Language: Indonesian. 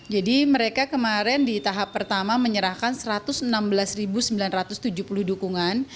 jadi mereka kemarin di tahap pertama menyerahkan satu ratus enam belas sembilan ratus tujuh puluh dukungan